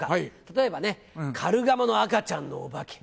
例えばねカルガモの赤ちゃんのお化け。